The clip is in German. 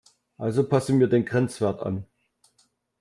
Also passen wir den Grenzwert an.